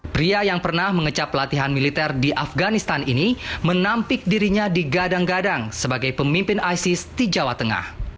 pria yang pernah mengecap latihan militer di afganistan ini menampik dirinya digadang gadang sebagai pemimpin isis di jawa tengah